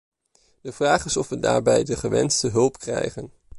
De vraag is of we daarbij de gewenste hulp krijgen.